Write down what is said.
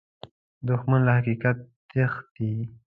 دښمن له حقیقت تښتي